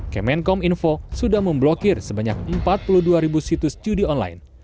kemenkom info sudah memblokir sebanyak empat puluh dua ribu situs judi online